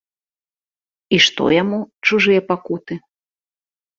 І што яму чужыя пакуты?!